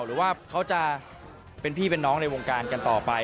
หรือว่าเขาจะเป็นพี่เป็นน้องในวงการกันต่อไป